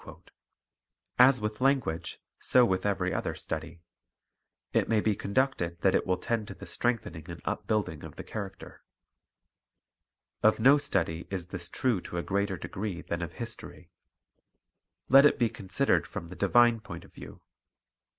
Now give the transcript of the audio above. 2 3 8 Character Building From the Divine Point of View As with language, so with every other study; it may be so conducted that it will tend to the strength ening and upbuilding of character. Of no study is this true to a greater degree than of history. Let it be considered from the divine point of view.